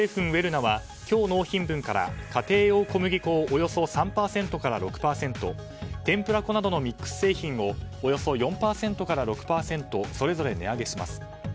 ウェルナは今日、納品分から家庭用小麦粉をおよそ３％から６％天ぷら粉などのミックス製品をおよそ４％から６％それぞれ値上げします。